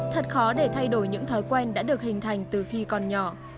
thật khó để thay đổi những thói quen đã được hình thành từ khi còn nhỏ